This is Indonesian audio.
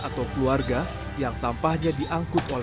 anda bisa menjaga kebersihan desa bestia dan kita berkoloni